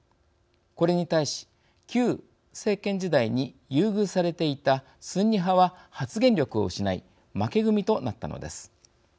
これに対し旧政権時代に優遇されていたスンニ派は発言力を失い負け組となったのです。